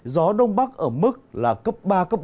gió đông bắc ở mức là cấp ba bốn